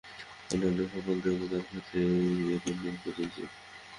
অন্যান্য সকল দেবতার ক্ষেত্রেও এই একই নিয়ম প্রযোজ্য।